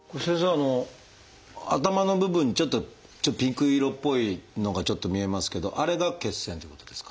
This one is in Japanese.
あの頭の部分にちょっとピンク色っぽいのがちょっと見えますけどあれが血栓ってことですか？